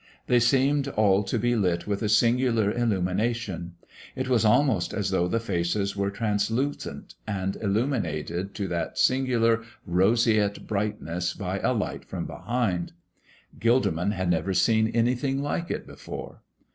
They seemed all to be lit with a singular illumination. It was almost as though the faces were translucent and illuminated to that singular roseate brightness by a light from behind. Gilderman had never seen anything like it before.